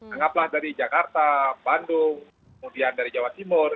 anggaplah dari jakarta bandung kemudian dari jawa timur